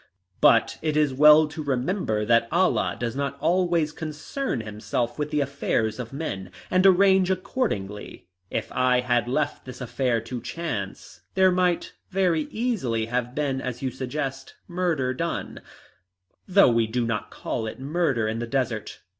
But it is well to remember that Allah does not always concern himself with the affairs of men, and arrange accordingly. If I had left this affair to chance there might very easily have been, as you suggest, murder done though we do not call it murder in the desert.